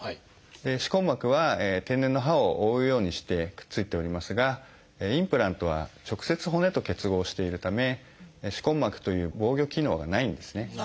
歯根膜は天然の歯を覆うようにしてくっついておりますがインプラントは直接骨と結合しているため歯根膜という防御機能がないんですね。